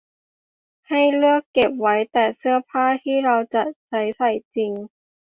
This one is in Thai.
ให้เลือกเก็บไว้แต่เสื้อผ้าที่เราจะใช้ใส่จริง